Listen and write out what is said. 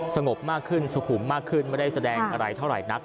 สงบมากขึ้นสุขุมมากขึ้นไม่ได้แสดงอะไรเท่าไหร่นัก